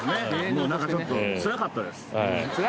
もう何かちょっとつらかったです